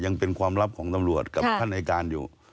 ยังเป็นความลับของตำรวจกับท่านอายการอยู่